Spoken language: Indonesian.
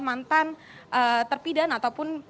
mantan terpidan ataupun